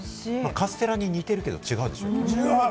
カステラに似ているけれども違うでしょ。